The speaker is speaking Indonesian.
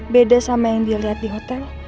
beda sama yang dia lihat di hotel